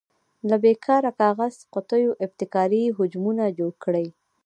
له بې کاره کاغذي قطیو ابتکاري حجمونه جوړ کړئ.